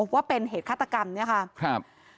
ว่าเป็นเหตุฆาตกรรมเนี่ยค่ะครับ